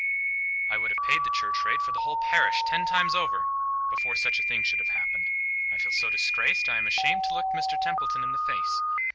"I would have paid the church rate for the whole parish ten times over before such a thing should have happened. I feel so disgraced, I am ashamed to look Mr Templeton in the face.